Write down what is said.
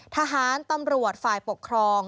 ทหารตำรวจฝ่ายปกครอง